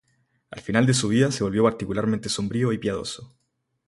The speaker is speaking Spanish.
Al final de su vida, se volvió particularmente sombrío y piadoso.